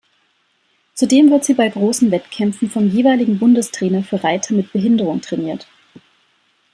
Zudem wird sie bei großen Wettkämpfen vom jeweiligen Bundestrainer für Reiter mit Behinderung trainiert.